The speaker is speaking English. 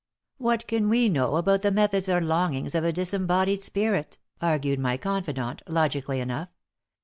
"What can we know about the methods or longings of a disembodied spirit?" argued my confidante, logically enough.